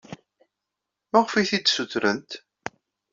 Maɣef ay t-id-ssutrent?